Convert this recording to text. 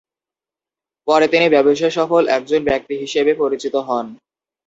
পরে তিনি ব্যবসাসফল একজন ব্যক্তি হিসেবে পরিচিত হন।